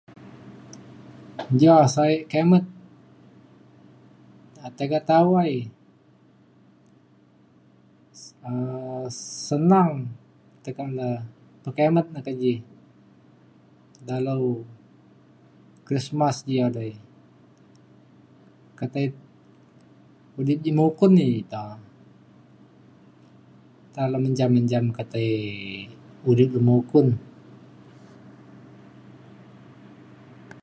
Ja sa’ek kimet tiga tawai s- um senang teka le pekimet ne ke ji dalau Krismas ji a dai. Ketai mudip ji mukun ji um ta talem menjam menjam ketai udip lu mukun.